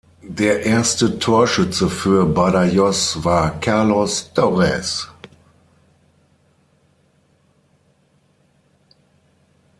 Der erste Torschütze für Badajoz war Carlos Torres.